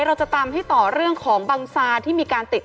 เราจะตามให้ต่อเรื่องของบังซาที่มีการติด